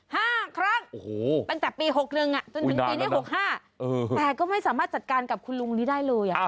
ห้าครั้งตั้งแต่ปี๖๑จนถึงปีนี้๖๕แต่ก็ไม่สามารถจัดการกับคุณลุงนี้ได้เลย